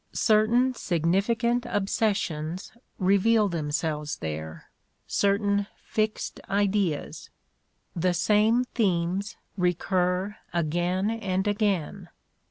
Certain sig nificant obsessions reveal themselves there, certain fixed ideas; the same themes recur again and again.